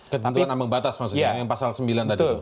ketentuan ambang batas maksudnya yang pasal sembilan tadi itu